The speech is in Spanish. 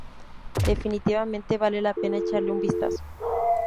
Definitivamente vale la pena echarle un vistazo".